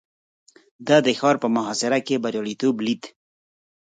ده د ښار په محاصره کې برياليتوب ليد.